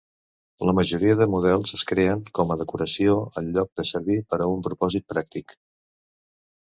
La majoria de models es creen com a decoració en lloc de servir per a un propòsit pràctic.